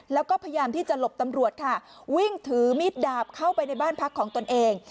แล้วก็พยายามที่จะหลบตำรวจค่ะวิ่งถือมีดดาบเข้าไปในบ้านพักของตนเอง